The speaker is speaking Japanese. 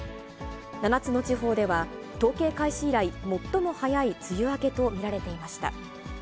７つの地方では統計開始以来、最も早い梅雨明けと見られていました。